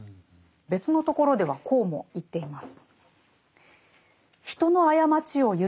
別の所ではこうも言っています。